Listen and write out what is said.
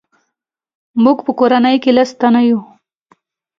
موږ په کورنۍ کې لس تنه یو.